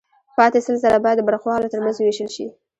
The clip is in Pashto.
پاتې سل زره باید د برخوالو ترمنځ ووېشل شي